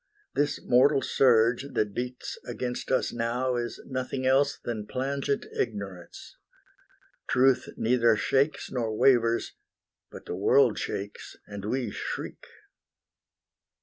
This mortal surge That beats against us now is nothing else Than plangent ignorance. Truth neither shakes Nor wavers; but the world shakes, and we shriek.